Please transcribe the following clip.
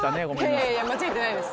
いやいやいや間違えてないです。